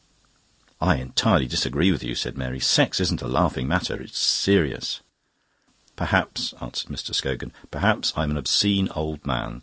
"I entirely disagree with you," said Mary. "Sex isn't a laughing matter; it's serious." "Perhaps," answered Mr. Scogan, "perhaps I'm an obscene old man.